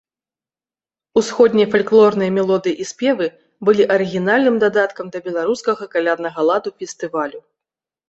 Усходнія фальклорныя мелодыі і спевы былі арыгінальным дадаткам да беларускага каляднага ладу фестывалю.